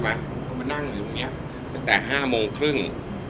บอกว่าไปนั่งอยู่แบบนี้อยู่แหลกแหลก๕๓๐